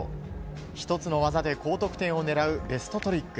１つの技で高得点を狙うベストトリック。